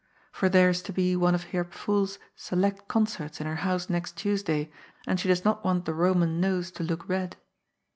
For there is to be one of Herr Pf nhPs select concerts in her house next Tuesday, and she does not want the Roman nose to look red.